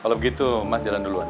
kalau begitu mas jalan duluan